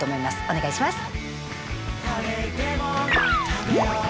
お願いします。